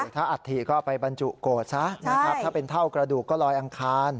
ถ้าอัฐิก็ไปบรรจุโกรธซะนะครับถ้าเป็นเท่ากระดูกก็ลอยอังคาร